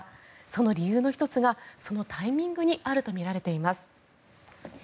その理由の１つがそのタイミングにあるとみられています。